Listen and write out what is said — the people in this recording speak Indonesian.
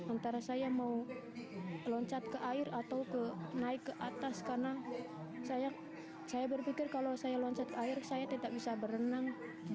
antara saya mau loncat ke air atau naik ke atas karena saya berpikir kalau saya loncat air saya tidak bisa berenang